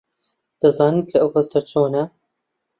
دەزانیت کە ئەو هەستە چۆنە؟